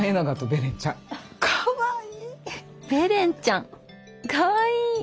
ベレンちゃんかわいい！